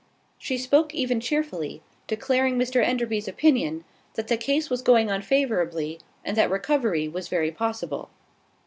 She spoke even cheerfully, declaring Mr Enderby's opinion, that the case was going on favourably, and that recovery was very possible.